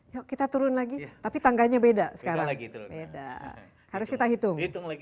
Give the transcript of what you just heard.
yuk kita turun lagi tapi tangganya beda sekarang